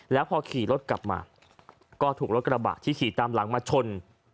แล้วพอขี่รถกลับมาก็ถูกรถกระบะที่ขี่ตามหลังมาชน